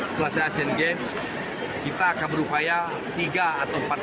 potensi luar masuk ke luar negara dan kita akan mencoba untuk membuat atlet yang lebih baik untuk